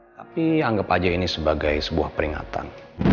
tapi anggap aja ini sebagai sebuah peringatan